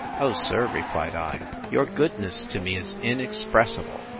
—O, sir, replied I, your goodness to me is inexpressible!